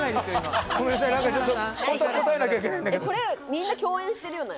みんな共演してるよね？